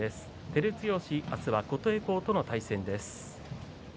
照強は琴恵光との対戦です。